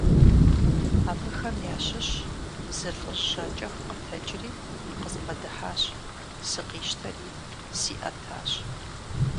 Абыхэм ящыщ зы лӀыжь жьакӀэху къэтэджри къызбгъэдыхьащ, сыкъищтэри сиӀэтащ.